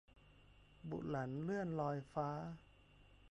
บุหลันเลื่อนลอยฟ้า